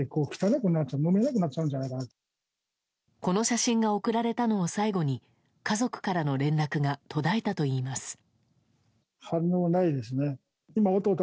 この写真が送られたのを最後に家族からの連絡が途絶えたといいます。